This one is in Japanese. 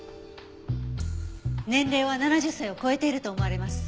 年齢は７０歳を超えていると思われます。